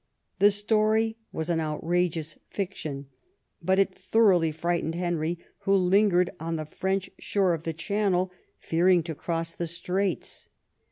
The story was an outrageous fiction, but it thoroughly frightened Henry, who lingered on the French shore of the Channel, fearing to cross the straits.